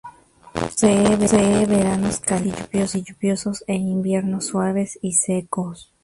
Posee veranos calientes y lluviosos e inviernos suaves y secos.